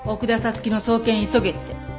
月の送検急げって。